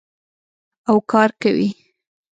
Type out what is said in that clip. او کار کوي.